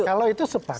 kalau itu sepakat